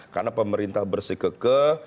karena pemerintah bersikakek